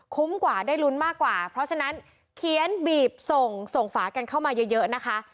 กว่าได้ลุ้นมากกว่าเพราะฉะนั้นเขียนบีบส่งส่งฝากันเข้ามาเยอะนะคะ